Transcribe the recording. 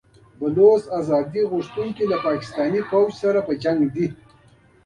بلوڅ ازادي غوښتونکي له پاکستاني پوځیانو سره په جګړه بوخت دي.